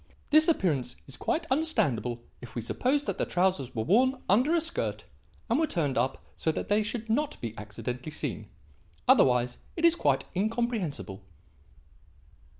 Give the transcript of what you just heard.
This appearance is quite understandable if we suppose that the trousers were worn under a skirt and were turned up so that they should not be accidentally seen. Otherwise it is quite incomprehensible."